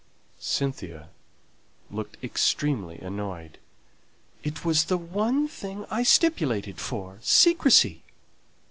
Cynthia looked extremely annoyed. "It was the one thing I stipulated for secrecy."